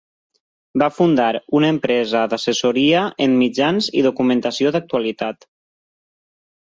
Va fundar una empresa d'assessoria en mitjans i documentació d'actualitat.